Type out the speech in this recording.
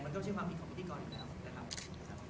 ก็เป็นความผิดของพิธีกรอยู่แล้วนะครับ